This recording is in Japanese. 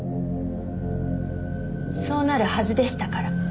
そうなるはずでしたから。